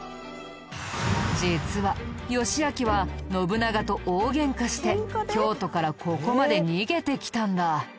実は義昭は信長と大ゲンカして京都からここまで逃げてきたんだ。